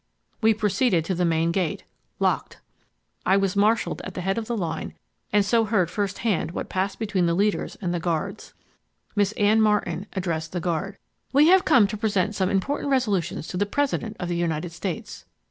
We proceeded to the main gate. Locked! I was marshalling at the head of the line and so heard first hand what passed between the leaders and the guards. Miss Anne, Martin addressed the guard— "We have come to present some important resolutions to the President of the United States."